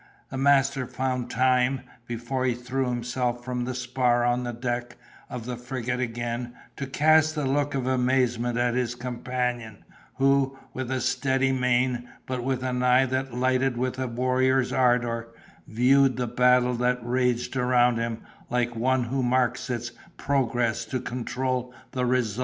The master found time, before he threw himself from the spar on the deck of the frigate again, to cast a look of amazement at his companion, who, with a steady mien, but with an eye that lighted with a warrior's ardor, viewed the battle that raged around him, like one who marked its progress to control the result.